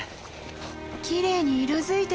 きれいに色づいてる！